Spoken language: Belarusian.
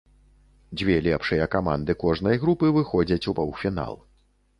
Дзве лепшыя каманды кожнай групы выходзяць у паўфінал.